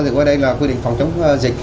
thì qua đây là quy định phòng chống dịch